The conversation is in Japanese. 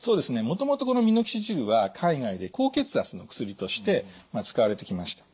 もともとこのミノキシジルは海外で高血圧の薬として使われてきました。